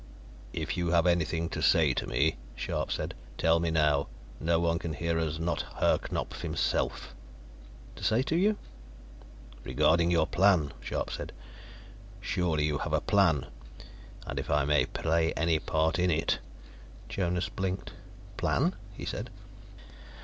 "If you have anything to say to me," Scharpe said, "tell me now. No one can hear us, not Herr Knupf himself." "To say to you?" "Regarding your plan," Scharpe said. "Surely you have a plan. And if I may play any part in it " Jonas blinked. "Plan?" he said.